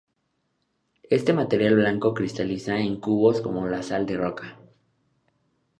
Este material blanco cristaliza en cubos como la sal de roca.